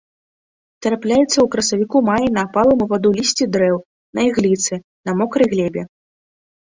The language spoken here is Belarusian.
Трапляецца ў красавіку-маі на апалым у ваду лісці дрэў, на ігліцы, на мокрай глебе.